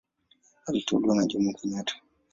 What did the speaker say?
Aliteuliwa na Jomo Kenyatta.